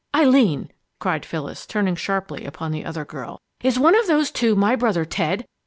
"Eileen!" cried Phyllis, turning sharply upon the other girl, "is one of those two my brother Ted?